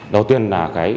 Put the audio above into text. đầu tiên là